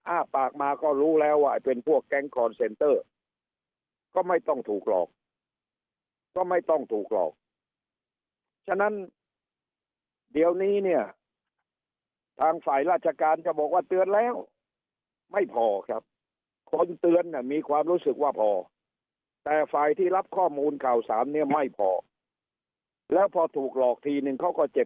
อ้าปากมาก็รู้แล้วว่าไอ้เป็นพวกแก๊ง